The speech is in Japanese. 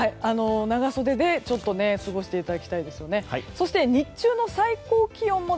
長袖で過ごしていただきたいですよね。